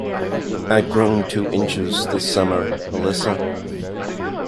I’ve grown two inches this summer, Melissa.